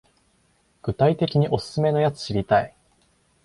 具体的にオススメのやつ知りたい